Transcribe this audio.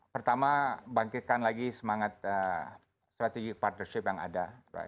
pertama bangkitkan lagi semangat strategic partnership yang ada